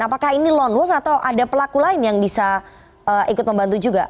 apakah ini lone wolf atau ada pelaku lain yang bisa ikut membantu juga